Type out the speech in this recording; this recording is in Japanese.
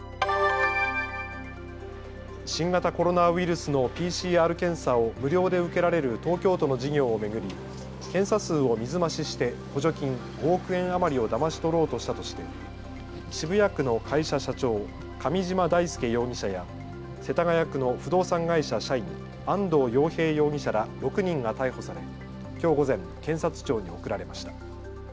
新型コロナウイルスのＰＣＲ検査を無料で受けられる東京都の事業を巡り検査数を水増しして補助金５億円余りをだまし取ろうとしたとして渋谷区の会社社長、上嶋大輔容疑者や世田谷区の不動産会社社員、安藤陽平容疑者ら６人が逮捕されきょう午前、検察庁に送られました。